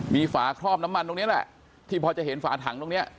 มีฝาครอบน้ำมันตรงนี้แหละที่พอจะเห็นฝาถังตรงนี้